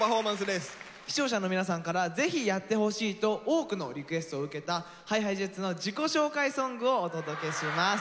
視聴者の皆さんからぜひやってほしいと多くのリクエストを受けたＨｉＨｉＪｅｔｓの自己紹介ソングをお届けします。